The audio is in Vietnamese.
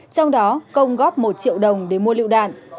trong đó công góp một triệu đồng để mua lựu đạn